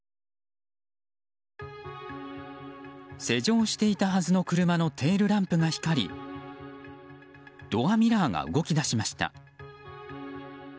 施錠していたはずの車のテールランプが光りドアミラーが動き出しました。